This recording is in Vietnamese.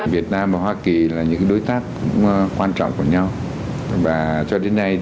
việt nam và hoa kỳ là những đối tác quan trọng của nhau và cho đến nay